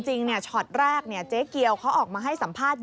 ช็อตแรกเจ๊เกียวเขาออกมาให้สัมภาษณ์